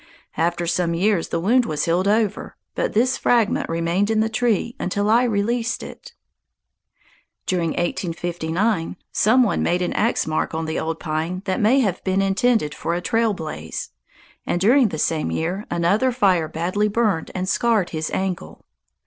After some years the wound was healed over, but this fragment remained in the tree until I released it. During 1859 some one made an axe mark on the old pine that may have been intended for a trail blaze, and during the same year another fire badly burned and scarred his ankle.